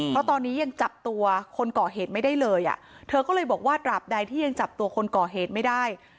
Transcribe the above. เพราะตอนนี้ยังจับตัวคนก่อเหตุไม่ได้เลยอ่ะเธอก็เลยบอกว่าตราบใดที่ยังจับตัวคนก่อเหตุไม่ได้